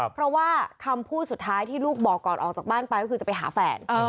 เพราะว่าคำพูดสุดท้ายที่ลูกบอกก่อนออกจากบ้านไปก็คือจะไปหาแฟน